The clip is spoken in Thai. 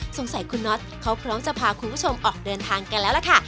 สงสัยคุณน็อตเขาพร้อมจะพาคุณผู้ชมออกเดินทางกันแล้วล่ะค่ะ